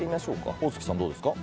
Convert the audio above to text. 宝槻さんどうですか？